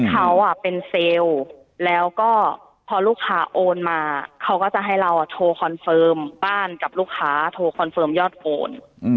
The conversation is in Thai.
เขาเป็นเซลล์แล้วก็พอลูกค้าโอนมาเขาก็จะให้เราโชว์คอนเฟิร์มบ้านกับลูกค้าโทรคอนเฟิร์มยอดโอน